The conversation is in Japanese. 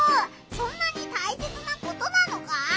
そんなにたいせつなことなのか？